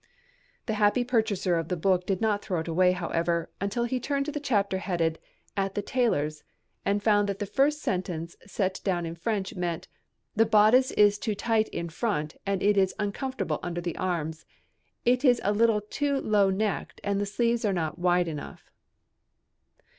The happy purchaser of the book did not throw it away, however, until he turned to the chapter headed "At the Tailor's" and found that the first sentence set down in French meant, "The bodice is too tight in front, and it is uncomfortable under the arms. It is a little too low necked, and the sleeves are not wide enough."